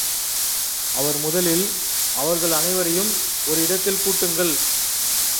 அவர் முதலில் அவர்கள் அனைவரையும் ஒரு இடத்தில் கூட்டுங்கள்.